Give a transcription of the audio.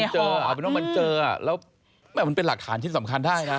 เจอเอาเป็นว่ามันเจอแล้วมันเป็นหลักฐานชิ้นสำคัญได้นะ